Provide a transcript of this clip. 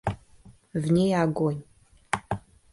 В ней огонь.